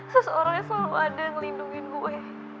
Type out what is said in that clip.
seseorang yang selalu ada yang melindungi gue